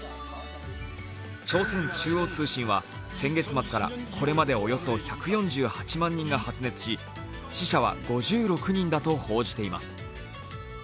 朝鮮中央通信は先月末からこれまでおよそ１４８万人が発熱し、死者は５６人だと報じています。